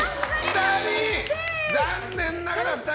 残念ながら、２人。